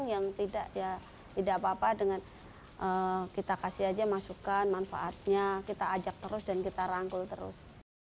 yang tidak ya tidak apa apa dengan kita kasih aja masukan manfaatnya kita ajak terus dan kita rangkul terus